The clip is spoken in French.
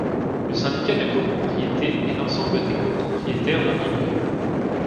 Le syndicat de copropriété est l'ensemble des copropriétaires d'un immeuble.